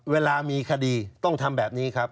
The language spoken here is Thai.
เวลามีคดีต้องทำแบบนี้ครับ